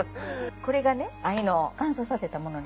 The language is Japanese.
これが藍の乾燥させたものに。